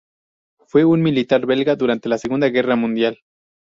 Fue un militar belga durante la Segunda Guerra Mundial.